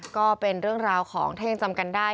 ก็เป็นเรื่องราวของถ้ายังจำกันได้